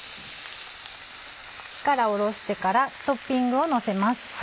火から下ろしてからトッピングをのせます。